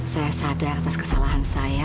saya sadar atas kesalahan saya